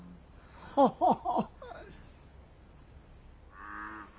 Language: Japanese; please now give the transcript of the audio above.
ハハハハ。